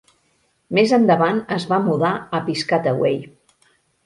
Més endavant es va mudar a Piscataway.